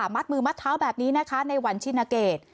มัดมือมัดเท้าแบบนี้นะคะในวันชินเกต